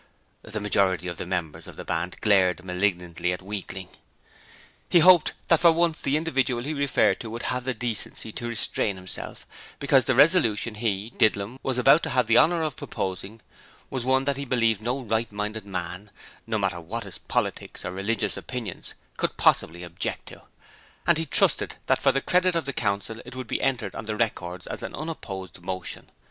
(The majority of the members of the Band glared malignantly at Weakling.) He hoped that for once the individual he referred to would have the decency to restrain himself, because the resolution he (Didlum) was about to have the honour of proposing was one that he believed no right minded man no matter what his politics or religious opinions could possibly object to; and he trusted that for the credit of the Council it would be entered on the records as an unopposed motion.